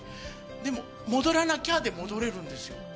でも、戻らなきゃで戻れるんですよ。